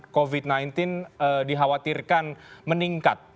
covid sembilan belas dikhawatirkan meningkat